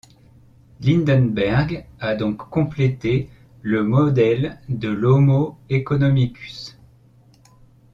Lindenberg a donc complété le modèle de l'homo œconomicus.